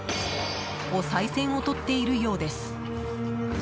おさい銭をとっているようです。